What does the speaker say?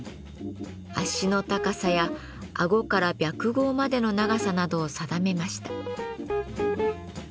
足の高さやあごから白毫までの長さなどを定めました。